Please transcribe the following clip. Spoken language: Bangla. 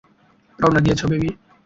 রওনা দিয়েছ, বেবি?